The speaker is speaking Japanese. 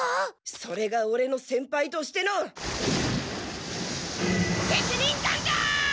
それがオレの先輩としての責任感だ！